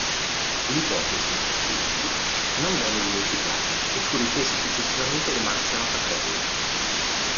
L'ipotesi, quindi, non venne dimenticata e fu ripresa successivamente da Marziano Capella.